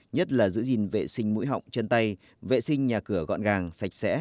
nhất là giữ gìn vệ sinh mũi họng chân tay vệ sinh nhà cửa gọn gàng sạch sẽ